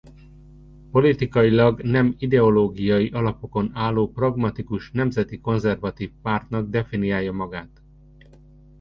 Politikailag nem ideológiai alapokon álló pragmatikus nemzeti konzervatív pártnak definiálja magát.